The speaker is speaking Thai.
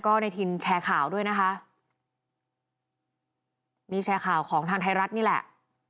ก็ในทินแชร์ข่าวด้วยนะคะนี่แชร์ข่าวของทางไทยรัฐนี่แหละ